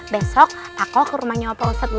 besok aku ke rumahnya bapak ustadz